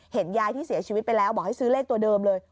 ยายที่เสียชีวิตไปแล้วบอกให้ซื้อเลขตัวเดิมเลย